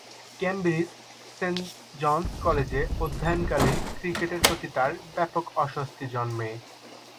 কেমব্রিজের Saint John's কলেজে অধ্যয়নকালীন ক্রিকেটের প্রতি তার ব্যাপক আসক্তি জন্মে।